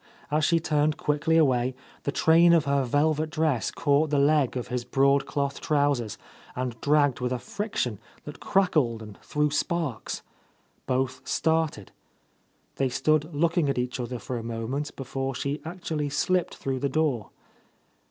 As she turned quickly away, the train of her velvet dress caught the leg of his broadcloth trousers and dragged with a friction that crackled and threw sparks. Both started. They stood looking at each other for a moment be fore she actually slipped through the door.